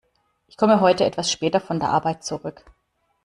Ich komme heute etwas später von der Arbeit zurück.